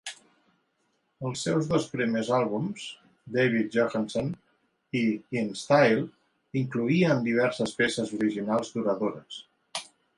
Els seus dos primers àlbums, "David Johansen" i "In Style", incloïen diverses peces originals duradores.